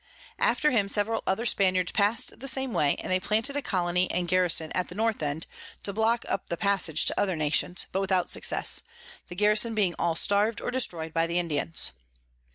After him several other Spaniards pass'd the same way, and they planted a Colony and Garison at the North End, to block up the Passage to other Nations; but without success, the Garison being all starved or destroy'd by the Indians.